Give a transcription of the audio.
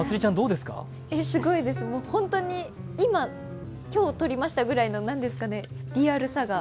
すごいです、本当に今、今日撮りましたぐらいのリアルさが。